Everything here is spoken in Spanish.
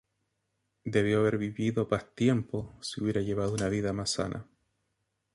Debió haber vivido más tiempo si hubiera llevado una vida más sana.